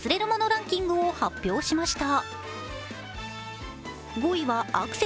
ランキングを発表しました。